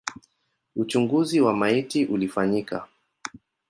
Uchunguzi wa maiti ulifanyika.